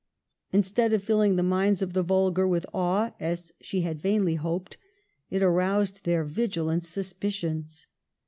Instead of filling the minds of the vulgar with awe, as she had vainly hoped, it aroused their vigilant suspicions.